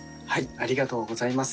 ありがとうございます。